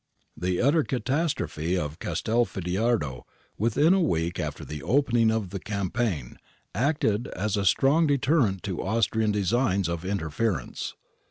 The utter catastrophe of Castelfidardo within a week after the opening of the campaign acted as a strong deterrent to Austrian designs of interference.